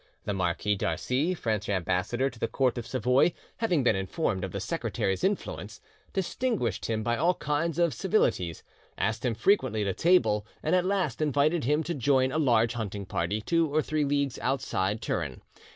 The Marquis d'Arcy, French ambassador to the court of Savoy, having been informed of the secretary's influence, distinguished him by all kinds of civilities, asked him frequently to table, and at last invited him to join a large hunting party two or three leagues outside Turin.